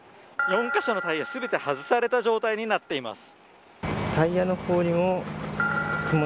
４カ所のタイヤ、全て外された状態になっています。